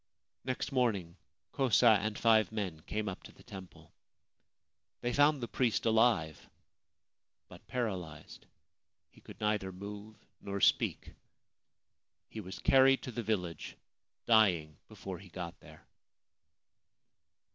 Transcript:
Next morning Kosa and five men came up to the temple. They found the priest alive but paralysed. He could neither move nor speak. He was carried to the village, dying before he got there.